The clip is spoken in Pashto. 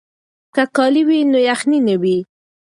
که کالي وي نو یخنۍ نه وي.